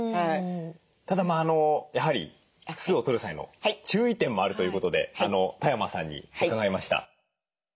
ただやはり酢をとる際の注意点もあるということで多山さんに伺いました。